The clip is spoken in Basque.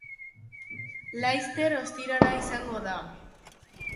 Laister ostirala izango da